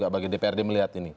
bagi dprd melihat ini